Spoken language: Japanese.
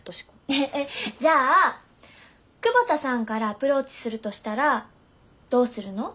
ええじゃあ久保田さんからアプローチするとしたらどうするの？